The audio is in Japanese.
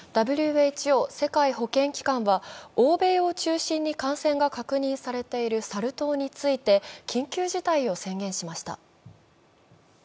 ＷＨＯ＝世界保健機関は、欧米を中心に感染が確認されているサル痘について緊急事態を宣言しました。